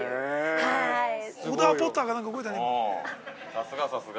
◆さすが、さすが。